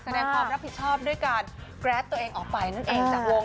แสดงความรับผิดชอบด้วยการแกรสตัวเองออกไปนั่นเองจากวง